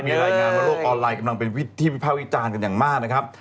มีรายงานว่าโลกออนไลน์กำลังเป็นที่วิภาควิจารณ์กันอย่างมากนะครับ